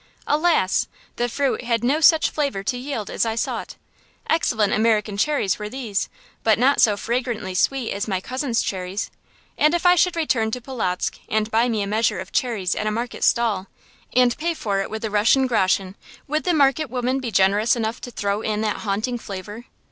Alas! the fruit had no such flavor to yield as I sought. Excellent American cherries were these, but not so fragrantly sweet as my cousin's cherries. And if I should return to Polotzk, and buy me a measure of cherries at a market stall, and pay for it with a Russian groschen, would the market woman be generous enough to throw in that haunting flavor?